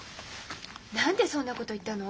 何でそんなこと言ったの？